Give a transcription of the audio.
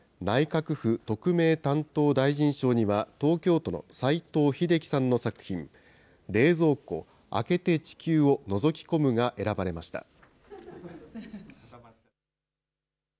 内閣府特命担当大臣賞には、東京都の齋藤秀樹さんの作品、冷蔵庫開けて地球をのぞき込むが選ばれました。